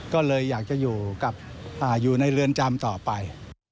ก็เลยอยากจะอยู่ในเรือนจำต่อไป